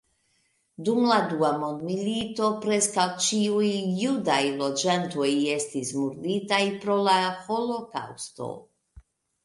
Dum la dua mondmilito preskaŭ ĉiuj judaj loĝantoj estis murditaj pro la holokaŭsto.